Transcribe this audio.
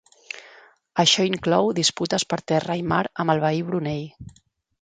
Això inclou disputes per terra i mar amb el veí Brunei.